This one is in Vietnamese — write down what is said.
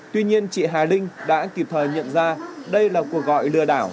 tuy nhiên chị hà linh đã kịp thời nhận ra đây là cuộc gọi lừa đảo